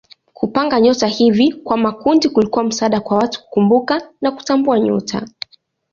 Kupanga nyota hivi kwa makundi kulikuwa msaada kwa watu kukumbuka na kutambua nyota.